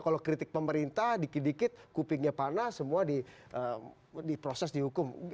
kalau kritik pemerintah dikit dikit kupingnya panas semua diproses dihukum